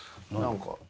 何か。